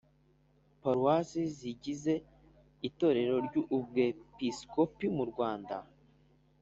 Paruwase zigize itorero ry Ubwepiskopi murwanda